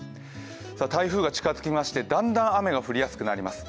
台風が近づきましてだんだん雨が降りやすくなります。